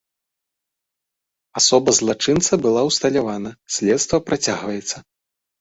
Асоба злачынца была ўсталявана, следства працягваецца.